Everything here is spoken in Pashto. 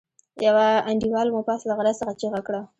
يوه انډيوال مو پاس له غره څخه چيغه کړه.